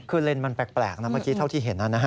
คือเลนส์มันแปลกนะเมื่อกี้เท่าที่เห็นนะฮะ